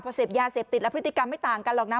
พอเสพยาเสพติดแล้วพฤติกรรมไม่ต่างกันหรอกนะ